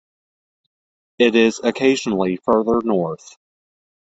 It is occasionally farther north.